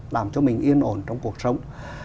làm cho mình yên ổn trong cuộc sống